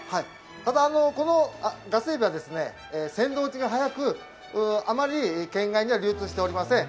ただ、ガスエビは鮮度落ちが早くあまり県外には流通しておりません。